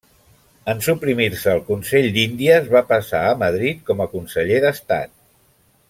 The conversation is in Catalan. En suprimir-se el Consell d'Índies, va passar a Madrid com a conseller d'Estat.